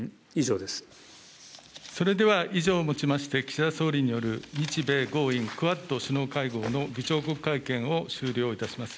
それでは以上をもちまして、岸田総理による日米豪印クアッド首脳会合の議長国会見を終了いたします。